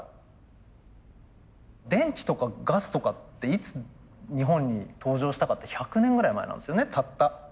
電気とかガスとかっていつ日本に登場したかって１００年ぐらい前なんですよねたった。